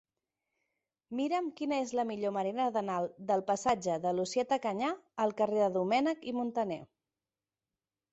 Mira'm quina és la millor manera d'anar del passatge de Llucieta Canyà al carrer de Domènech i Montaner.